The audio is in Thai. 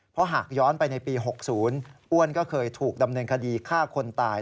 เพราะหากย้อนไปในปี๖๐อ้วนก็เคยถูกดำเนินคดีฆ่าคนตาย